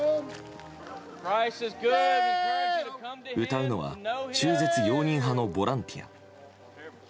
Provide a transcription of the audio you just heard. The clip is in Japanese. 歌うのは中絶容認派のボランティア。